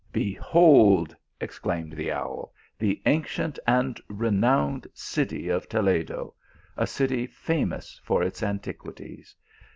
" Behold," exclaimed the owl, "the ancient and renowned city of Toledo ; a city famous for its antiquities.